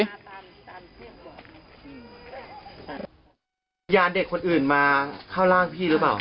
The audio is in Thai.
อย่าเด็กคนอื่นมาเข้าร่างพี่หรือเปล่า